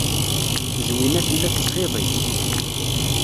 Zwina tella tettxiḍi.